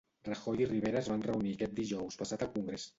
Rajoy i Rivera es van reunir aquest dijous passat al Congrés.